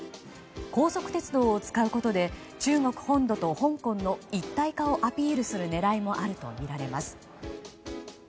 高速鉄道を使うことで中国本土と香港の一体化をアピールする狙いもあるとみられます。